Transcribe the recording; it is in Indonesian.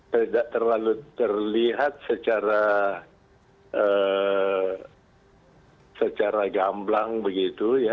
tidak terlalu terlihat secara gamblang begitu ya